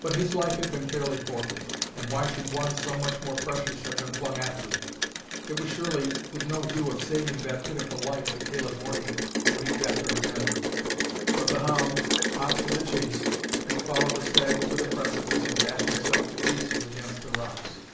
But his life had been fairly forfeit,—and why should one so much more precious have been flung after it? It was surely with no view of saving that pitiful life that Caleb Morton had leaped after his enemy. But the hound, hot with the chase, will follow the stag over the precipice and dash himself to pieces against the rocks.